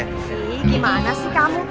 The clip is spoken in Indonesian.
ih gimana sih kamu